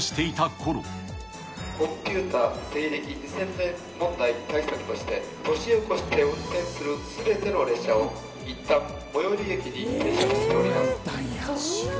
コンピュータ西暦２０００年問題対策として、年を越して運転するすべての列車を、いったん最寄り駅に停車させております。